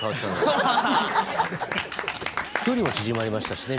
距離も縮まりましたしね。